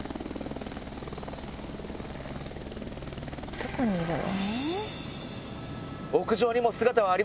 どこにいるの？